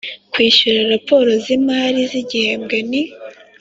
kwishyura raporo z imari z igihembwe n